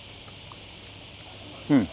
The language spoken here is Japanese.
うん！